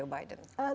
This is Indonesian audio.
legacy dari joe biden